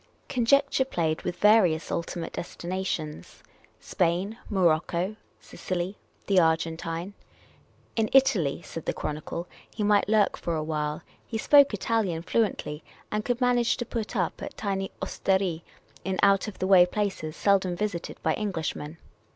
Conjecture played with various ultimate destinations — Spain, Morocco, Sicily, the Argentine. In Italy, said the Chronicle, he might lurk for a while — he spoke Italian fluently, and could manage to put up at tiny ostcric in out of the way places seldom visited by Englishmen.